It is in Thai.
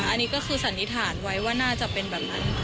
อันนี้ก็คือสันนิษฐานไว้ว่าน่าจะเป็นแบบนั้น